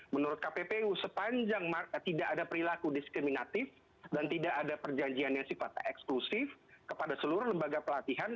menurut kppu sepanjang tidak ada perilaku diskriminatif dan tidak ada perjanjian yang sifatnya eksklusif kepada seluruh lembaga pelatihan